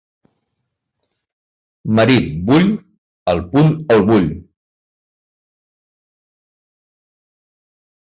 Marit vull, al punt el vull.